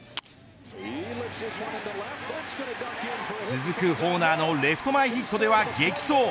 続くホーマーのレフト前ヒットでは激走。